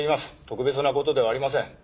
特別な事ではありません。